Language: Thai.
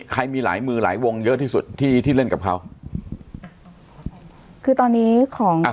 ใครมีหลายมือหลายวงเยอะที่สุดที่ที่เล่นกับเขาคือตอนนี้ของอ่า